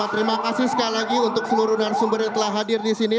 terima kasih sekali lagi untuk seluruh narasumber yang telah hadir di sini